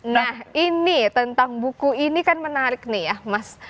nah ini tentang buku ini kan menarik nih ya mas